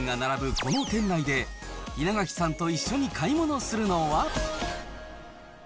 この店内で、稲垣さんと一緒に買い物するのは。